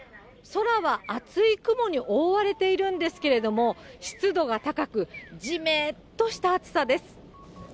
空は厚い雲に覆われているんですけれども、湿度が高く、じめっとした暑さです。